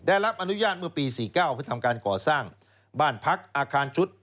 ได้รับอนุญาตเมื่อปี๔๙เพื่อทำการก่อสร้างบ้านพักอาคารชุด